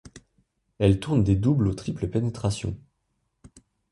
Elle tourne des doubles ou triples pénétrations.